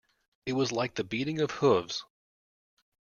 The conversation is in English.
It was like the beating of hoofs.